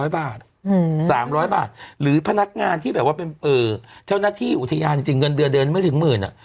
๓๐๐บาทหรือพนักงานที่แบบว่าเป็นเจ้าหน้าที่อุทยานจริงเงินเดือนเดินไม่ถึงหมื่นอ่ะ